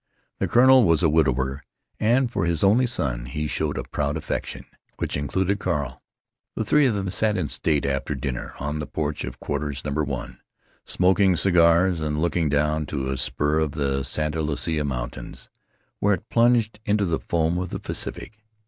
The colonel was a widower, and for his only son he showed a proud affection which included Carl. The three of them sat in state, after dinner, on the porch of Quarters No. 1, smoking cigars and looking down to a spur of the Santa Lucia Mountains, where it plunged into the foam of the Pacific.